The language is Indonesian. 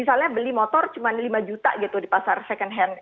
misalnya beli motor cuma lima juta gitu di pasar second hand